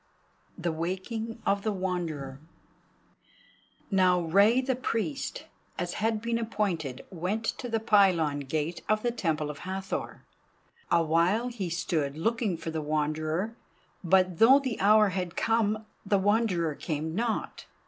THE WAKING OF THE WANDERER Now Rei the Priest, as had been appointed, went to the pylon gate of the Temple of Hathor. Awhile he stood looking for the Wanderer, but though the hour had come, the Wanderer came not.